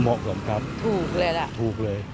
เหมาะสมครับถูกเลยล่ะถูกเลย